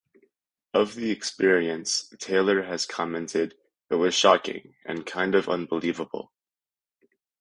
Of the experience, Taylor has commented: It was shocking, and kind of unbelievable.